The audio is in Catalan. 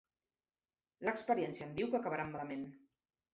L'experiència em diu que acabaran malament.